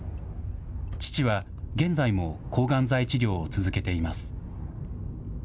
父は現在も抗がん剤治療を続けています。